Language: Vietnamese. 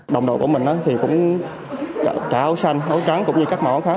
đồng đội của mình thì cũng cả áo xanh áo trắng cũng như các màu áo khác